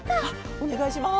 おねがいします。